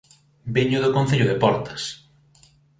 Veño do Concello de Portas